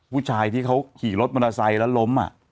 ผู้ชายที่เขาขี่รถมอเตอร์ไซค์แล้วล้ม